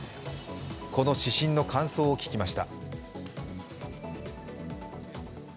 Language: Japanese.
この指針の感想を聞きました。